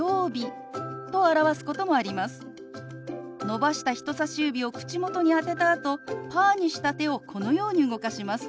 伸ばした人さし指を口元に当てたあとパーにした手をこのように動かします。